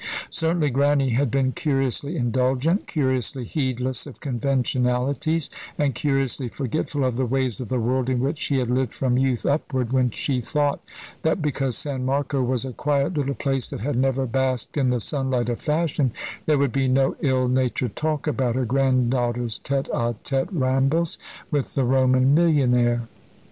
Certainly Grannie had been curiously indulgent, curiously heedless of conventionalities, and curiously forgetful of the ways of the world in which she had lived from youth upward, when she thought that because San Marco was a quiet little place that had never basked in the sunlight of fashion, there would be no ill natured talk about her granddaughter's tête à tête rambles with the Roman millionaire.